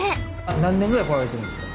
何年ぐらい来られてるんですか？